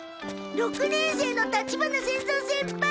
六年生の立花仙蔵先輩。